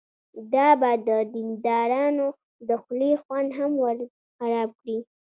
دا به د دیندارانو د خولې خوند هم ورخراب کړي.